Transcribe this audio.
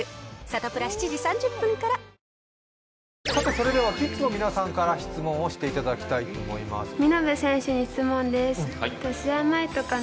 それではキッズの皆さんから質問をしていただきたいと思います見延選手に質問です